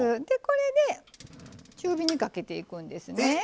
でこれで中火にかけていくんですね。